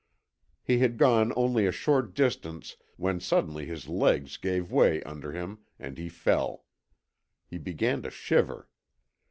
He had gone only a short distance when suddenly his legs gave way under him, and he fell. He began to shiver.